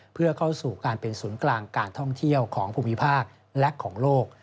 เพื่อเข้าสู่การเป็นศูนย์กลางการท่องเที่ยวของภูมิภาคและของโลก